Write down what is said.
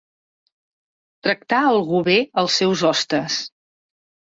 Tractar algú bé els seus hostes.